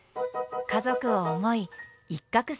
家族を思い一獲